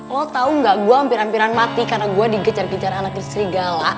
lo tau nggak gue hampir hampiran mati karena gue digecar gecar anak istri gala